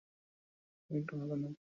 তুমি একটু খাবে নাকি?